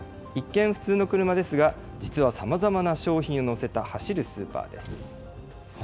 一見、普通の車ですが、実はさまざまな商品を載せた走るスーパーです。